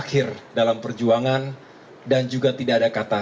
sebelum menutupi perjalanan kita